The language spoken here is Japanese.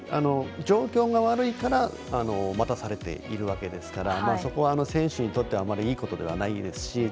状況が悪いから待たされているわけですからそこは選手にとってはあまりいいことではないですし